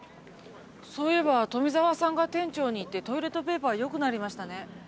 そういえば富沢さんが店長に言ってトイレットペーパーよくなりましたね。